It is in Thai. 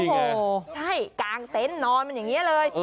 โอ้โหใช่กางเต็นต์นอนมันอย่างนี้เลย